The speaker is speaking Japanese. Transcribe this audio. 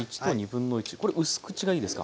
これうす口がいいですか？